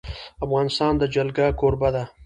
افغانستان د جلګه کوربه دی.